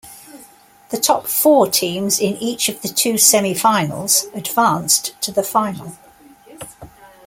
The top four teams in each of the two semifinals advanced to the final.